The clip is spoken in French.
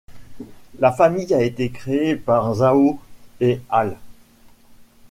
La famille a été créée par Zhao et al.